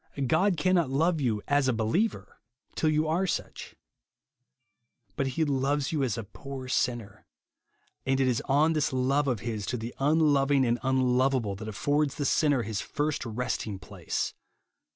God cannot love you as a believer till you are such. But he loves you as a poor sinner. And it is on this love of his to the unloving and unloveable that affords the sinner his first resting place.